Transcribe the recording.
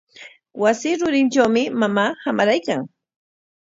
Wasi rurintrawmi mamaa hamaraykan.